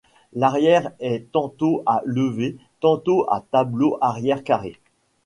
L'arrière est tantôt à levée, tantôt à tableau arrière carré.